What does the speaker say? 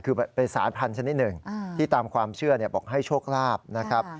คือเป็นสายพันธนิดหนึ่งที่ตามความเชื่อบอกให้โชคลาภนะครับ